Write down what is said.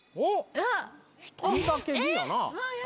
１人だけＢやな。